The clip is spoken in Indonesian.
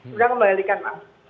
sudah membalikkan pak